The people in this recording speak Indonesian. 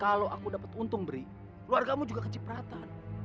kalau aku dapat untung beri luar kamu juga kecipratan